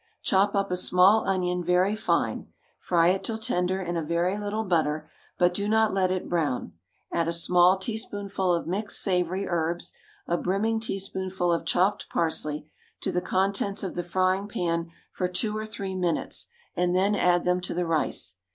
Chop up a small onion very fine, fry it till tender in a very little butter, but do not let it brown; add a small teaspoonful of mixed savoury herbs, a brimming teaspoonful of chopped parsley, to the contents of the frying pan for two or three minutes, and then add them to the rice.